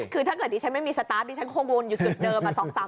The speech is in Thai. คือถ้าเกิดดิฉันไม่มีสตาร์ทดิฉันคงวนอยู่จุดเดิม